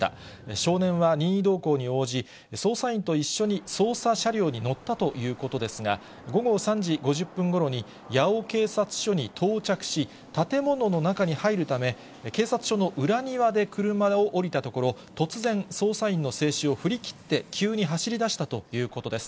少年は任意同行に応じ、捜査員と一緒に捜査車両に乗ったということですが、午後３時５０分ごろに、八尾警察署に到着し、建物の中に入るため、警察署の裏庭で車を降りたところ、突然、捜査員の制止を振り切って、急に走りだしたということです。